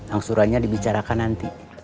angsurannya dibicarakan nanti